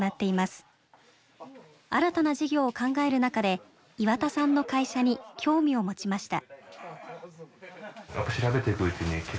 新たな事業を考える中で岩田さんの会社に興味を持ちました。